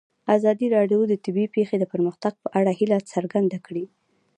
ازادي راډیو د طبیعي پېښې د پرمختګ په اړه هیله څرګنده کړې.